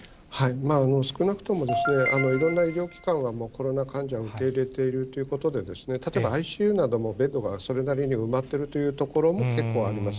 少なくともいろんな医療機関はもう、コロナ患者を受け入れているということで、例えばＩＣＵなどもベッドがそれなりに埋まってるという所も結構あります。